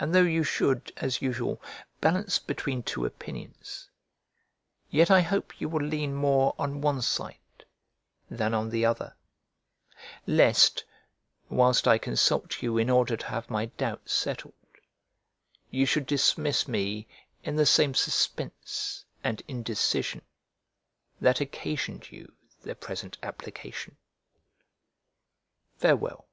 And though you should, as usual, balance between two opinions, yet I hope you will lean more on one side than on the other, lest, whilst I consult you in order to have my doubt settled, you should dismiss me in the same suspense and indecision that occasioned you the present application. Farewell.